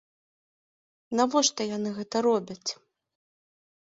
Навошта яны гэта робяць?